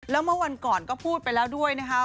แล้วเมื่อวันก่อนก็พูดไปแล้วด้วยนะคะ